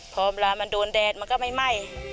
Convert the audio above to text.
พอเวลามันโดนแดดมันก็ไม่ไหม้